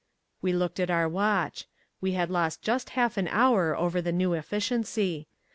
We looked at our watch. We had lost just half an hour over the new efficiency.